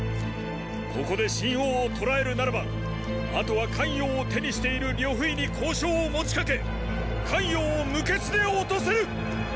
ここで秦王を捕らえるならば後は咸陽を手にしている呂不韋に交渉を持ちかけ咸陽を無血で落とせる！